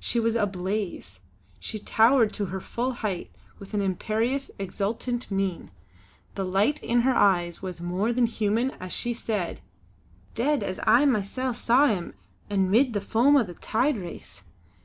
She was ablaze. She towered to her full height with an imperious, exultant mien; the light in her eyes was more than human as she said: "Dead, as I masel' saw him an' 'mid the foam o' the tide race!